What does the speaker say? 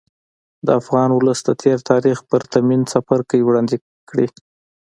د افغان ولس د تېر تاریخ پرتمین څپرکی وړاندې کړي.